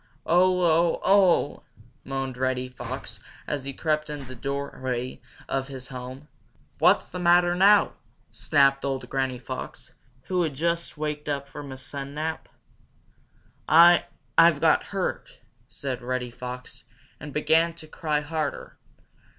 "Oh! Oh! Oh!" moaned Reddy Fox, as he crept in at the doorway of his home. "What's the matter now?" snapped old Granny Fox, who had just waked up from a sun nap. "I I've got hurt," said Reddy Fox, and began to cry harder.